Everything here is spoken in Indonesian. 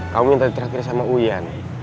kamu minta terakhir sama uyan